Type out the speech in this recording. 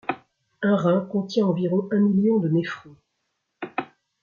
Un rein contient environ un million de néphrons.